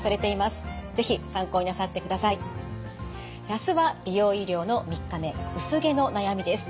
あすは美容医療の３日目薄毛の悩みです。